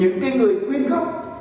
thì những người quyên góp